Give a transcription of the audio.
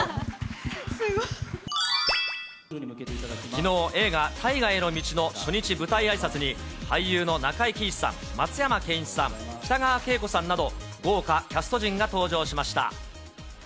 きのう、映画、大河への道の初日舞台あいさつに、俳優の中井貴一さん、松山ケンイチさん、北川景子さんなど、豪華キャスト陣が登場しました。